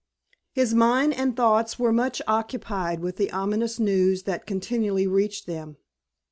His mind and thoughts were much occupied with the ominous news that continually reached them.